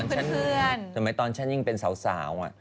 เหมือนสมัยตอนฉันยิ่งเป็นสาว